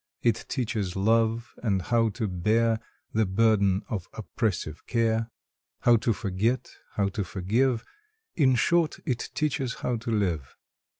It teaches love, and how to bear The burden of oppressive care; How to forget, how to forgive In short, it teaches how to live.